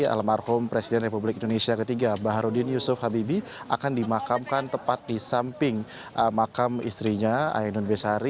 almarhum presiden republik indonesia ketiga baharudin yusuf habibie akan dimakamkan tepat di samping makam istrinya ainun besari